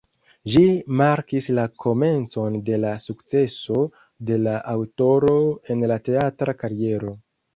Ĝi markis la komencon de la sukceso de la aŭtoro en la teatra kariero.